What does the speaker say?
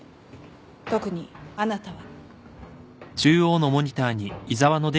特にあなたは。